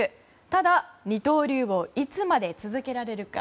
ただ、二刀流をいつまで続けられるか。